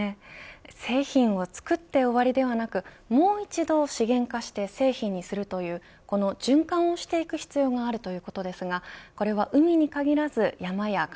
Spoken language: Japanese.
製品を作って終わりではなくもう一度資源化して製品にするというこの循環をしていく必要があるということですがこれは海に限らず山や川